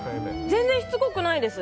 全然しつこくないです。